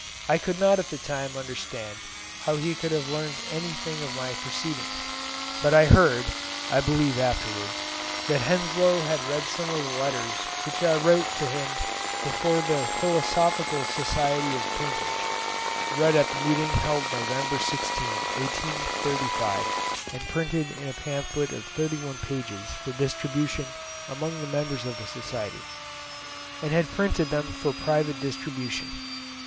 I could not at the time understand how he could have learnt anything of my proceedings, but I heard (I believe afterwards) that Henslow had read some of the letters which I wrote to him before the Philosophical Society of Cambridge (Read at the meeting held November 16, 1835, and printed in a pamphlet of 31 pages for distribution among the members of the Society.), and had printed them for private distribution.